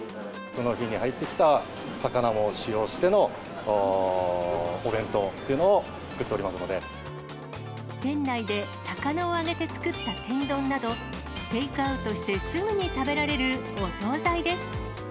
その日に入ってきた魚を使用してのお弁当というのを作ってお店内で魚を揚げて作った天丼など、テイクアウトしてすぐに食べられるお総菜です。